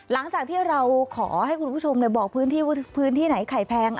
หลังจากที่เราขอให้คุณผู้ชมบอกพื้นที่ไหนไข้แพง